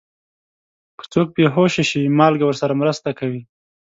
که څوک بې هوښه شي، مالګه ورسره مرسته کوي.